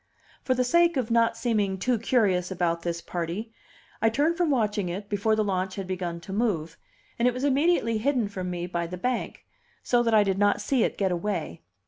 For the sake of not seeming too curious about this party, I turned from watching it before the launch had begun to move, and it was immediately hidden from me by the bank, so that I did not see it get away.